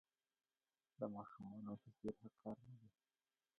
د ماشومانو توپیر ښه کار نه دی.